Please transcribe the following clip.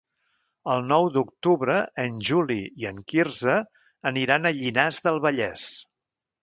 El nou d'octubre en Juli i en Quirze aniran a Llinars del Vallès.